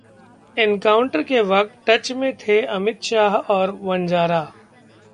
'encounter के वक्त touch में थे अमित शाह और वंजारा'